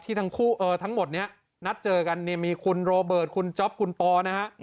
ทั้งคู่ทั้งหมดนี้นัดเจอกันเนี่ยมีคุณโรเบิร์ตคุณจ๊อปคุณปอนะฮะ